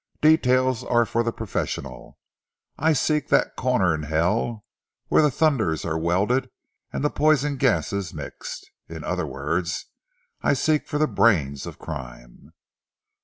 "Details are for the professional. I seek that corner in Hell where the thunders are welded and the poison gases mixed. In other words, I seek for the brains of crime."